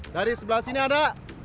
dari sebelah sini ada